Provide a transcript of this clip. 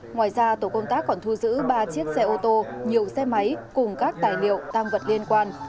ngoài ra tổ công tác còn thu giữ ba chiếc xe ô tô nhiều xe máy cùng các tài liệu tăng vật liên quan